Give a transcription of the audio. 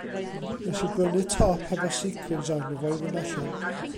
Nes i brynu top hefo sequins arno fo i fynd allan.